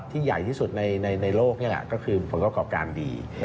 ใหญ่ที่สุดในโลกนี่แหละก็คือผลประกอบการดี